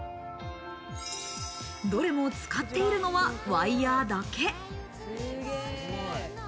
どれも使っているのはワイヤだけ。